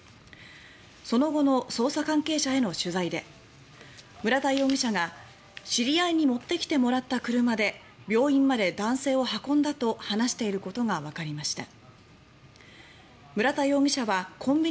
その後の捜査関係者への取材で村田容疑者が知り合いに持ってきてもらった車で病院まで男性を運んだと話していることがわかりました。